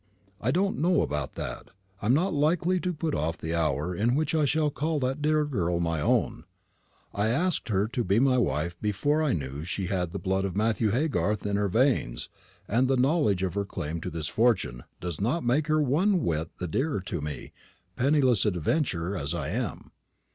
"I don't know about that. I'm not likely to put off the hour in which I shall call that dear girl my own. I asked her to be my wife before I knew that she had the blood of Matthew Haygarth in her veins, and the knowledge of her claim to this fortune does not make her one whit the dearer to me, penniless adventurer as I am.